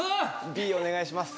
Ｂお願いします